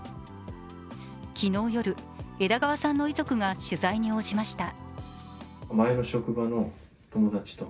昨日夜、枝川さんの遺族が取材に応じました。